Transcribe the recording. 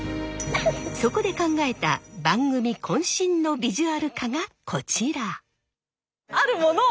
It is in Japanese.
そこで考えた番組渾身のビジュアル化がこちら。